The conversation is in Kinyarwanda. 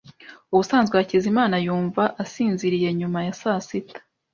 Ubusanzwe Hakizimana yumva asinziriye nyuma ya saa sita.